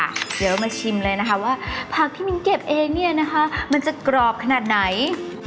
เดี๋ยวเรามาชิมเลยนะคะว่าผักที่มิ้นเก็บเองเนี่ยนะคะมันจะกรอบขนาดไหน